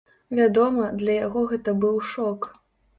Вядома, для яго гэта быў шок.